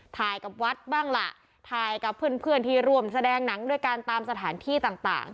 ถ่ายกับวัดบ้างล่ะถ่ายกับเพื่อนเพื่อนที่ร่วมแสดงหนังด้วยกันตามสถานที่ต่าง